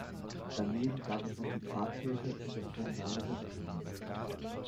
Daneben gab es noch die Pfarrkirche und das kommunale Hirtenhaus.